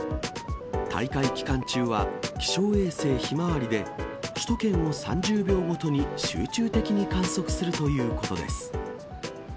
大会期間中は、気象衛星ひまわりで、首都圏を３０秒ごとに集中的に観測するということです。